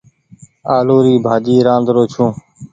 آلو ري ڀآڃي رآڌرو ڇون۔